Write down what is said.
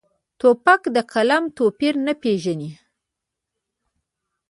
توپک له قلم توپیر نه پېژني.